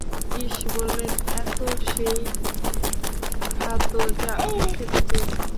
ঈস বললেনঃ এতো সেই খাদ্য যা আপনি খেতে চেয়েছিলেন।